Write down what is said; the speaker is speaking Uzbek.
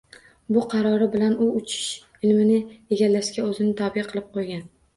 Bu qarori bilan u uchish ilmini egallashga o‘zini tobe qilib qo‘ygan